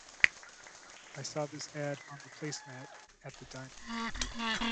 I saw this ad on the placemat at the diner.